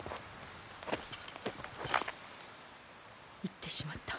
行ってしまった。